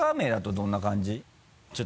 どんな感じ。